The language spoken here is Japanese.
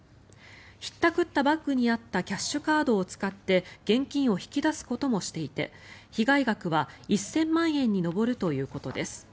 ひったくったバッグにあったキャッシュカードを使って現金を引き出すこともしていて被害額は１０００万円に上るということです。